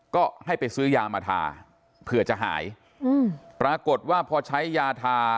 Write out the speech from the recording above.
ก็ให้ไปซื้อยามาทาเผื่อจะหายอืมปรากฏว่าพอใช้ยาทา